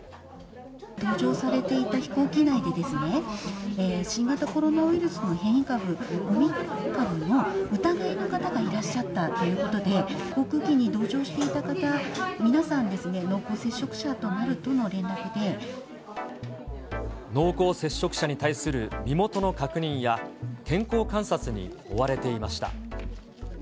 搭乗されていた飛行機内でですね、新型コロナウイルスの変異株、オミクロン株の疑いの方がいらっしゃったということで、航空機に同乗していた方、皆さんですね、濃厚接触者となるとの連濃厚接触者に対する身元の確認や、健康観察に追われていました。